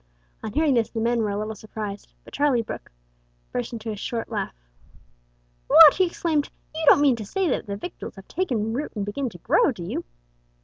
On hearing this the men were a little surprised, but Charlie Brooke burst into a short laugh. "What!" he exclaimed, "you don't mean to say that the victuals have taken root and begun to grow, do you?"